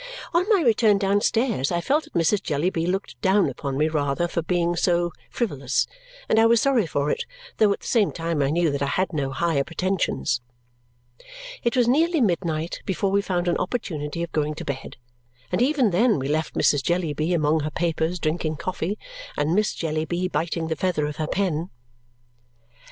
On my return downstairs, I felt that Mrs. Jellyby looked down upon me rather for being so frivolous, and I was sorry for it, though at the same time I knew that I had no higher pretensions. It was nearly midnight before we found an opportunity of going to bed, and even then we left Mrs. Jellyby among her papers drinking coffee and Miss Jellyby biting the feather of her pen.